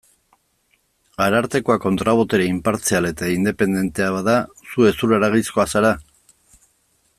Arartekoa kontra-botere inpartzial eta independentea bada, zu hezur-haragizkoa zara?